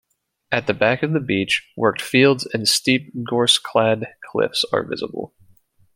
At the back of the beach, worked fields and steep gorse-clad cliffs are visible.